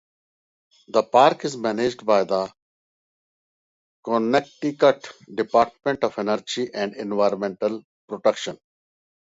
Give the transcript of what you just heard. The park is managed by the Connecticut Department of Energy and Environmental Protection.